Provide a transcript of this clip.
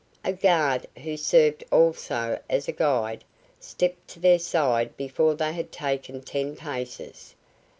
A guard, who served also as a guide, stepped to their side before they had taken ten paces.